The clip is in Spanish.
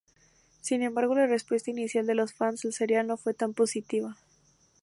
Sin embargo, la respuesta inicial de los fans al serial no fue tan positiva.